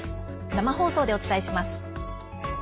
生放送でお伝えします。